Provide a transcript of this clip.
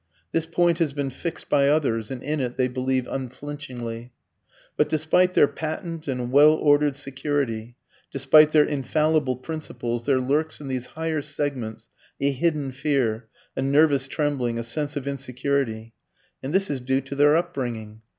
This point has been fixed by others, and in it they believe unflinchingly. But despite their patent and well ordered security, despite their infallible principles, there lurks in these higher segments a hidden fear, a nervous trembling, a sense of insecurity. And this is due to their upbringing.